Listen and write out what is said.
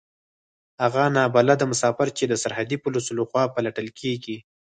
هغه نا بلده مسافر چې د سرحدي پوليسو له خوا پلټل کېږي.